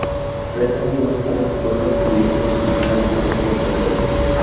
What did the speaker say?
Tres años más tarde, Colbert le hizo designar historiador del rey.